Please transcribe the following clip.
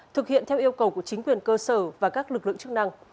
thực hiện theo yêu cầu của chính quyền cơ sở và các lực lượng chức năng